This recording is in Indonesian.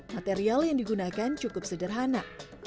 material yang digunakan cukup sederhana